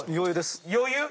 余裕⁉